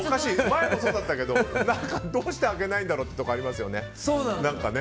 前もそうだったけどどうして開けないんだろうっていうところありますよね。